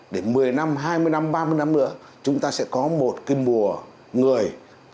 để một mươi năm hai mươi năm ba mươi năm nữa chúng ta sẽ có một cái mùa người